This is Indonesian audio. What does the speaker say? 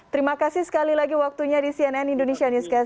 terima kasih sekali lagi waktunya di cnn indonesia newscast